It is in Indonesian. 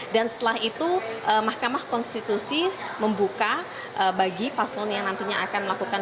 dan setelah itu mahkamah konstitusi membuka bagi paslon yang nantinya akan melaksanakan